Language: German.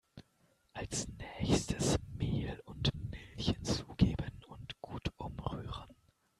Als nächstes Mehl und Milch hinzugeben und gut umrühren.